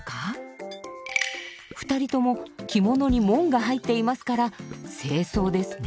２人とも着物に紋が入っていますから正装ですね。